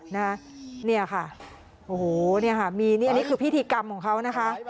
นี่ค่ะโอ้โฮนี่คือพิธีกรรมของเขานะคะ